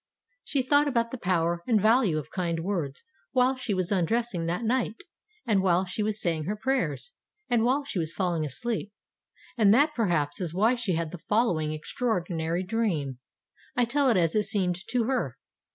She thought about the power and value of kind words while she was undressing that night, and while she was saying her prayers, and while she was falling asleep. And that, perhaps, is why she had the follow ing extraordinary dream. I tell it as it seemed to her.